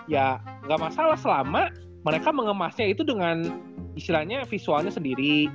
ya nggak masalah selama mereka mengemasnya itu dengan istilahnya visualnya sendiri